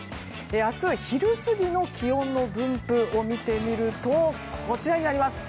明日は昼過ぎの気温の分布を見てみるとこちらになります。